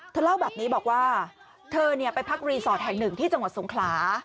เธอเล่าแบบนี้บอกว่าเธอไปพักรีสอร์ทแห่งหนึ่งที่จังหวัดสงขลา